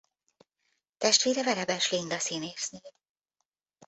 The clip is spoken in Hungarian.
Testvére Verebes Linda színésznő.